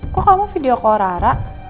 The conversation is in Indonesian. kok kamu video call rara